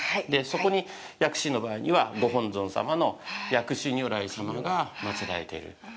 そこに、薬師寺の場合には、御本尊様の薬師如来様が祀られている。